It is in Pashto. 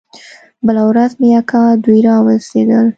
بله ورځ مې اکا دوى راورسېدل.